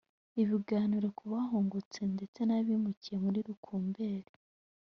ibiganiro ku bahungutse ndetse n abimukiye muri rukumberi